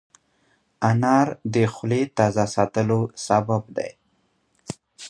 انار د خولې تازه ساتلو سبب دی.